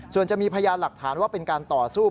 ส่วนจะมีพยานหลักฐานว่าเป็นการต่อสู้